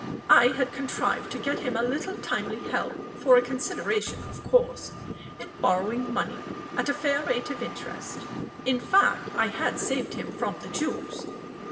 I had contrived to get him a little timely help for a consideration, of course in borrowing money at a fair rate of interest; in fact, I had saved him from the Jews.